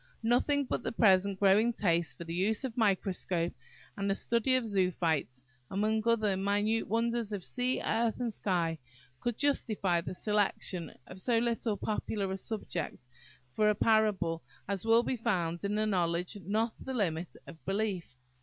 Nothing but the present growing taste for the use of the microscope, and the study of zoophytes, among other minute wonders of sea, earth, and sky, could justify the selection of so little popular a subject for a parable as will be found in "Knowledge not the Limit of Belief."